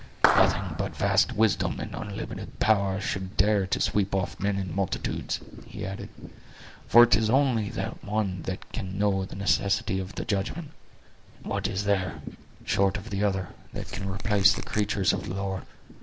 "Nothing but vast wisdom and unlimited power should dare to sweep off men in multitudes," he added; "for it is only the one that can know the necessity of the judgment; and what is there, short of the other, that can replace the creatures of the Lord?